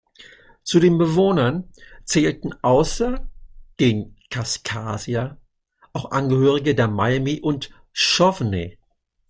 Zu den Bewohnern zählten außer den Kaskaskia auch Angehörige der Miami und Shawnee.